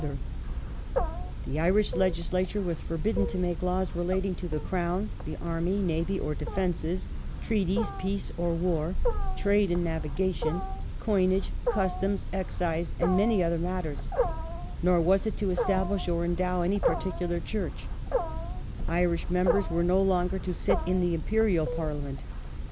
516 DEMOCRACY AND EMPIRE [1886 The Irish Legislature was forbidden to make laws relating to the Crown, the Army, Navy, or defences, treaties, peace or war, trade and navigation, coinage, customs, excise, and many other matters ; nor was it to establish or endow any particular ChurcL Irish members were no longer to sit in the Imperial Parliament.